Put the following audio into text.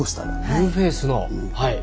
ニューフェイスのはい。